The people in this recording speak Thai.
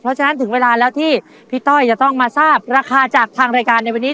เพราะฉะนั้นถึงเวลาแล้วที่พี่ต้อยจะต้องมาทราบราคาจากทางรายการในวันนี้